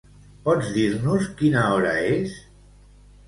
Pots dir-nos quina hora és?